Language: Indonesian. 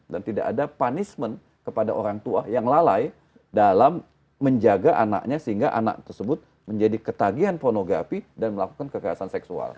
dan tidak ada penyakit kepada orang tua yang lalai dalam menjaga anaknya sehingga anak tersebut menjadi ketagihan pornografi dan melakukan kekerasan seksual